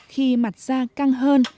khi mặt da căng hơn